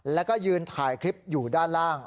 แล้วก็ยืนถ่ายคลิปอยู่ด้านล่าง